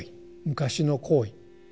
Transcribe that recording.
昔の行為。